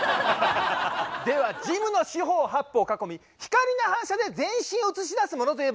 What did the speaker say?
ではジムの四方八方を囲み光の反射で全身を映し出すものといえば？